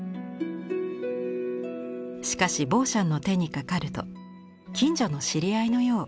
しかしボーシャンの手にかかると近所の知り合いのよう。